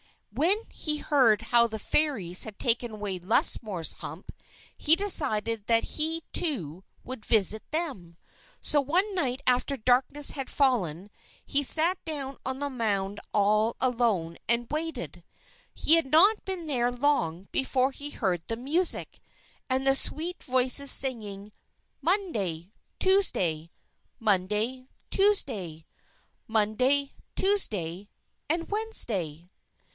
When he heard how the Fairies had taken away Lusmore's hump, he decided that he, too, would visit them. So one night after darkness had fallen, he sat down on the mound all alone, and waited. He had not been there long before he heard the music, and the sweet voices singing: "_Monday! Tuesday! Monday! Tuesday! Monday! Tuesday! And Wednesday!